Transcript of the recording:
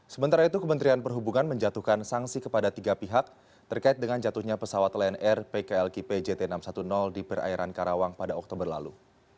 sementara itu kementerian perhubungan menjatuhkan sanksi kepada tiga pihak terkait dengan jatuhnya pesawat lion air pklkp jt enam ratus sepuluh di perairan karawang pada oktober lalu